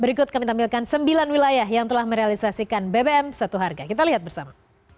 berikut kami tampilkan sembilan wilayah yang telah merealisasikan bbm satu harga kita lihat bersama